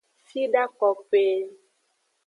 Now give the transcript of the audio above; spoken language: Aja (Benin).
Fida kokoe.